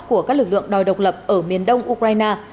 của các lực lượng đòi độc lập ở miền đông ukraine